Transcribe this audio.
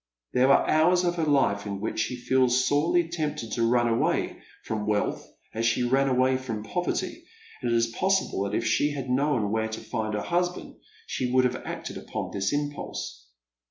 There are hours of her life in which she feels sorely tempted to run away from wealth as she ran away from poverty ; and it is possible that if she had known where to find her husband she would have acted upon this impulse.